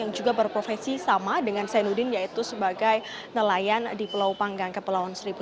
dan juga berprofesi sama dengan zahbudin yaitu sebagai nelayan di pulau panggang kepulauan seribu